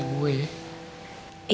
kapan gua bisa begitu ke bini gue